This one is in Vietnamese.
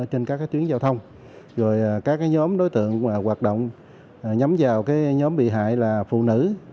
trên các tuyến giao thông các nhóm đối tượng hoạt động nhắm vào nhóm bị hại là phụ nữ